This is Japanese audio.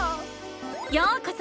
ようこそ！